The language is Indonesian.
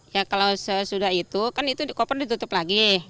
ya kalau sesudah itu kan itu koper ditutup lagi